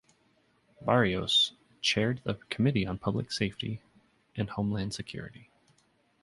Barrios chaired the Committee on Public Safety and Homeland Security.